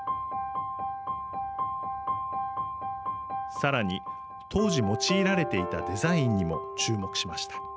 さらに当時用いられていたデザインにも注目しました。